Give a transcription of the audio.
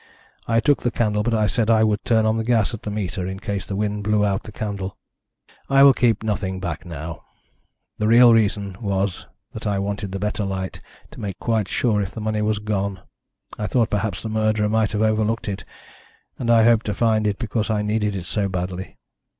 I took the candle, but I said I would turn on the gas at the meter, in case the wind blew out the candle. I will keep nothing back now. The real reason was that I wanted the better light to make quite sure if the money was gone. I thought perhaps the murderer might have overlooked it, and I hoped to find it because I needed it so badly.